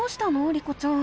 リコちゃん。